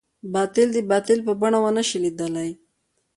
باطل د باطل په بڼه ونه شي ليدلی.